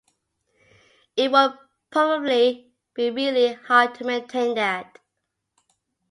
It would probably be really hard to maintain that.